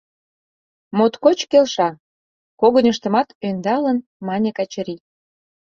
— Моткоч келша! — когыньыштымат ӧндалын, мане Качырий.